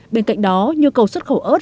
bên cạnh đó nhu cầu xuất khẩu ớt